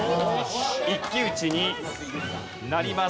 一騎打ちになります。